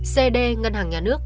cd ngân hàng nhà nước